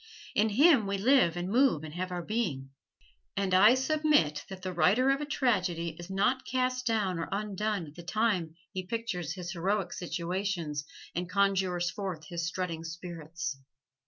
In Him we live and move and have our being. And I submit that the writer of a tragedy is not cast down or undone at the time he pictures his heroic situations and conjures forth his strutting spirits.